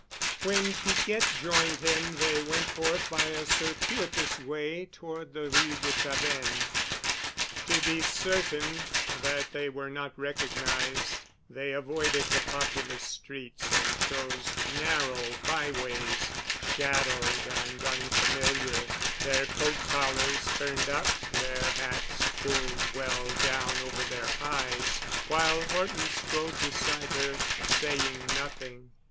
When Piquette joined him they went forth by a circuitous way toward the Rue de Tavennes. To be certain that they were not recognized they avoided the populous streets and chose narrow by ways, shadowed and unfamiliar, their coat collars turned up, their hats pulled well down over their eyes, while Horton strode beside her, saying nothing.